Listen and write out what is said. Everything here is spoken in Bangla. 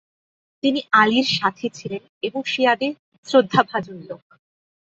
তিনি 'আলী'র সাথী ছিলেন এবং শিয়াদের শ্রদ্ধাভাজন লোক।